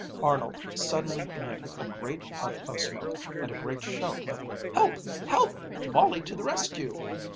Arnold suddenly emitted a great puff of smoke and a great shout of "Help! help! Molly to the rescue!"